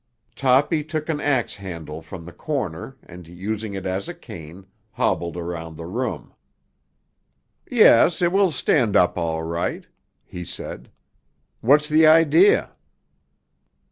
Toppy took an ax handle from the corner and, using it as a cane, hobbled around the room. "Yes, it will stand up all right," he said. "What's the idea?"